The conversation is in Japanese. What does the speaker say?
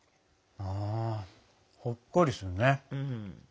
うんほっこりするね。